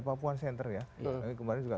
papuan center ya kemarin juga